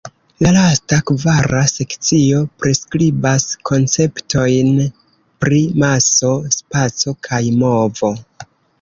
La lasta, kvara sekcio priskribas konceptojn pri maso, spaco kaj movo.